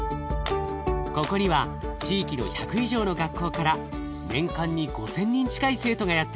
ここには地域の１００以上の学校から年間に５，０００人近い生徒がやって来ます。